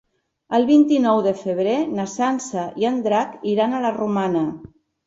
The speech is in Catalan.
El vint-i-nou de febrer na Sança i en Drac iran a la Romana.